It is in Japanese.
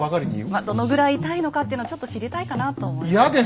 まあどのくらい痛いのかっていうのをちょっと知りたいかなと思いまして。